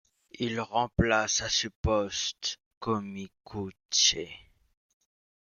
Il remplace à ce poste Komi Koutché.